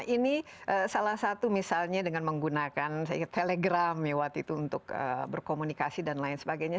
ini salah satu misalnya dengan menggunakan telegram untuk berkomunikasi dan lain sebagainya